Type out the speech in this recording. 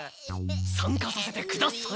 参加させてください。